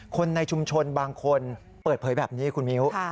คนในชุมชนบางคนเปิดเผยแบบนี้คุณมิ้ว